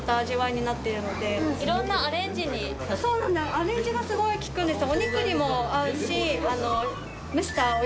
アレンジがすごい利くんですよ。